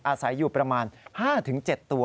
อาศัยอยู่ประมาณ๕๗ตัว